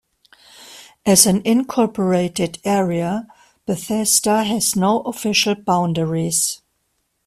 As an unincorporated area, Bethesda has no official boundaries.